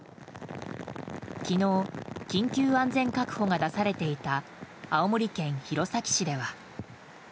昨日、緊急安全確保が出されていた青森県弘前市では。